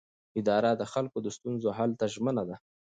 اداره د خلکو د ستونزو حل ته ژمنه ده.